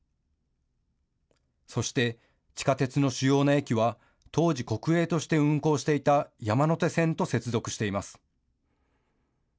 そして地下鉄の主要な駅は当時国営として運行していた山手線と接続しています。